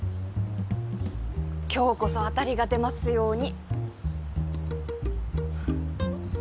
今日こそあたりが出ますように。